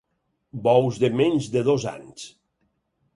Bous de menys de dos anys.